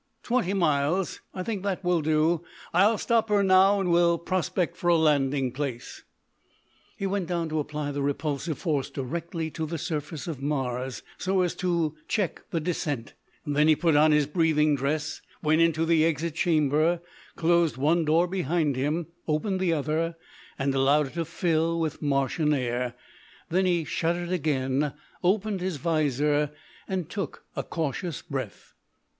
Twenty miles! I think that will do. I'll stop her now and we'll prospect for a landing place." He went down to apply the repulsive force directly to the surface of Mars, so as to check the descent, and then he put on his breathing dress, went into the exit chamber, closed one door behind him, opened the other and allowed it to fill with Martian air; then he shut it again, opened his visor and took a cautious breath.